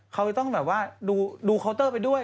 เขาจะต้องแบบว่าดูเคาน์เตอร์ไปด้วย